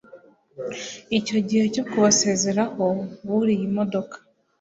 Igihe cyo kubasezeraho buriye imodoka